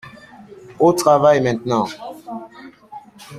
Au travail maintenant !